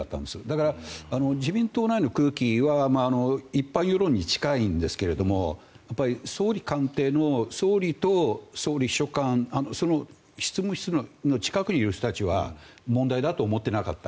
だから自民党内の空気は一般世論に近いんですが総理官邸の総理と総理秘書官執務室の近くにいる人たちは問題だと思ってなかった。